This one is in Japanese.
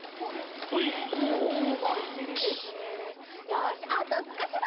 よしあとすこしだ！